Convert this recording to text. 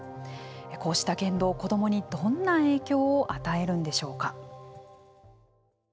こうした言動、子どもにどんな影響を与えるんでしょうか。